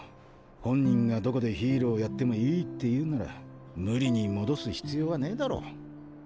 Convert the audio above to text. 本人がどこでヒーローやってもいいって言うなら無理に戻す必要はねぇだろ。